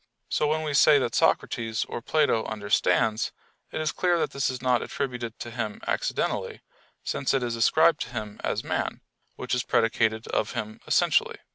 So when we say that Socrates or Plato understands, it is clear that this is not attributed to him accidentally; since it is ascribed to him as man, which is predicated of him essentially.